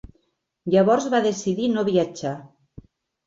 Llavors va decidir no viatjar.